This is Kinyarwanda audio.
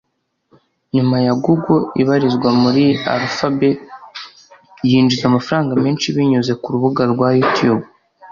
nyuma ya Google ibarizwa muri Alphabet yinjiza amafaranga menshi binyuze ku rubuga rwa Youtube